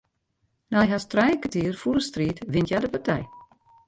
Nei hast trije kertier fûle striid wint hja de partij.